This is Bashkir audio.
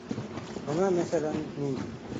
Бына, мәҫәлән, мин.